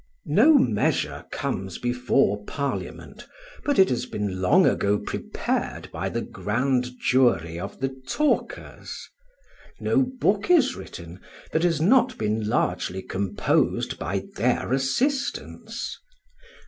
No measure comes before Parliament but it has been long ago prepared by the grand jury of the talkers; no book is written that has not been largely composed by their assistance.